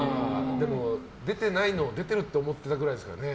でも出てないのを出てるって思ってるぐらいですからね。